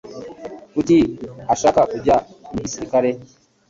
Kuki ashaka kujya mu gisirikare?